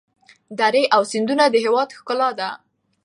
درې او سیندونه د هېواد ښکلا ده.